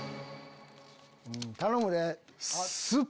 頼むで。